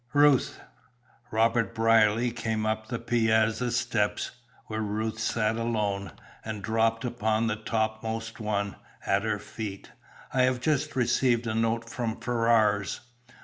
"Ruth." Robert Brierly came up the piazza steps, where Ruth sat alone, and dropped upon the topmost one, at her feet. "I have just received a note from Ferrars."